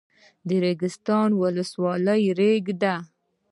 د ریګستان ولسوالۍ ریګي ده